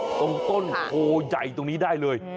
ตรงต้นโพใหญ่ตรงนี้ได้เลย